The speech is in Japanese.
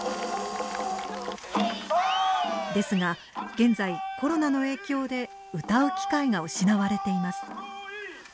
ですが現在コロナの影響で歌う機会が失われています。